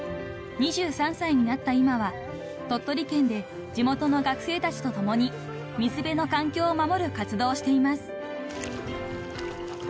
［２３歳になった今は鳥取県で地元の学生たちと共に水辺の環境を守る活動をしています］